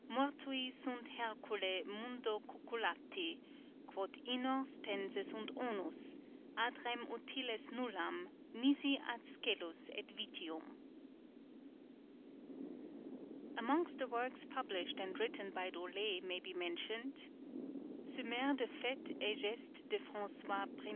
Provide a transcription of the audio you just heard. Mortui sunt Hercule Mundo cucullati, quod inors tense sunt onus, Ad rem utiles nullam, nisi ad scelus et vitium." Amongst the works published and written by Dolet may be mentioned: _Summaire des faits et gestes de François I.